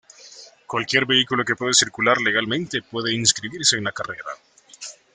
Cualquier vehículo que pueda circular legalmente puede inscribirse en la carrera.